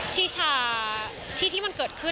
ที่ชาที่มันเกิดขึ้น